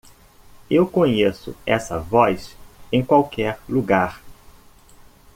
Eu conheço essa voz em qualquer lugar.